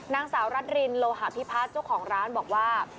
นางสาวรัฐรินโลหะพิพัฒน์เจ้าของร้านบอกว่า